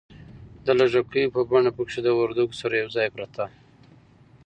د لږکیو په بڼه پکښې د وردگو سره یوځای پرته